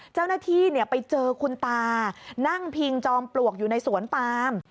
เจ้าหน้าที่ไปเจอคุณตานั่งพิงจอมปลวกอยู่ในสวนปาม